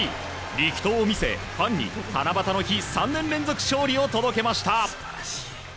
力投を見せファンに七夕の日３年連続の勝利を届けました。